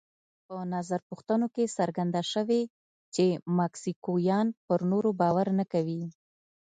په نظر پوښتنو کې څرګنده شوې چې مکسیکویان پر نورو باور نه کوي.